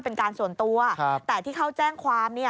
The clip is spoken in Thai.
เป็นการส่วนตัวแต่ที่เขาแจ้งความ